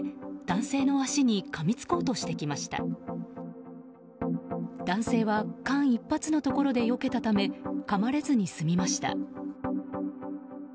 男性は間一髪のところでよけたためかまれずに済みました。